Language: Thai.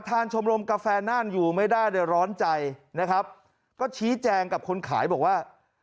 คุณจะขายของคุณภาพสวนทางกับราคา